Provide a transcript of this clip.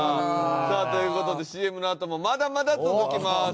さあという事でＣＭのあともまだまだ続きます。